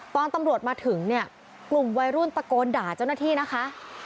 ตอนตำรวจมาถึงเนี่ยกลุ่มวัยรุ่นตะโกนด่าเจ้าหน้าที่นะคะ